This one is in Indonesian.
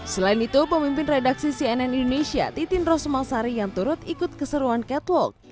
selain itu pemimpin redaksi cnn indonesia titin rosemalsari yang turut ikut keseruan catwalk